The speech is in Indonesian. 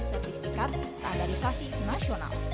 sertifikat standarisasi nasional